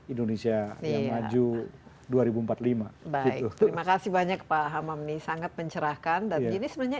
indonesia yang maju dua ribu empat puluh lima baik terima kasih banyak pak hamam nih sangat mencerahkan dan ini sebenarnya